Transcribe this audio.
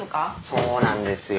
そうなんですよ